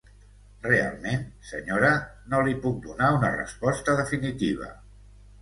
Realment, senyora, no li puc donar una resposta definitiva.